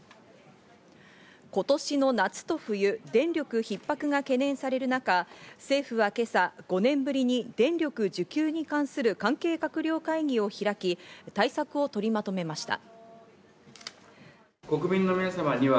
今年の夏と冬、電力逼迫が懸念される中、政府は今朝、５年ぶりに電力需給に関する関係閣僚会議を開き、対策を取りまとめました。